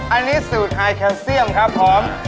อันนี้สูตรไฮแคนเซียมครับผม